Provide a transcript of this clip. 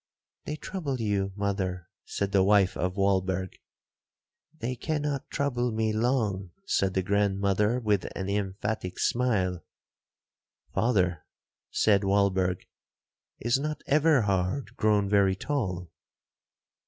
'They trouble you, mother,' said the wife of Walberg.—'They cannot trouble me long,' said the grandmother, with an emphatic smile. 'Father,' said Walberg, 'is not Everhard grown very tall?'